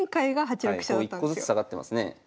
１個ずつ下がってますね。